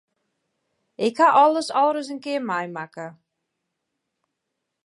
Ik haw alles al ris in kear meimakke.